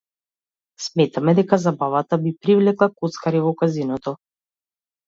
Сметаме дека забавата би привлекла коцкари во казиното.